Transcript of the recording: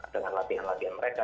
dengan latihan latihan mereka